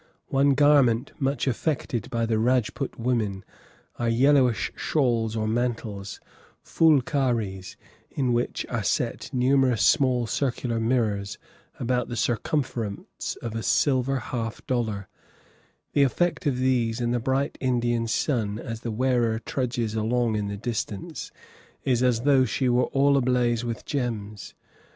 One garment much affected by the Rajput women are yellowish shawls or mantles, phool karis, in which, are set numerous small circular mirrors about the circumference of a silver half dollar; the effect of these in the bright Indian sun, as the wearer trudges along in the distance, is as though she were all ablaze with gems.